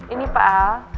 ini pak al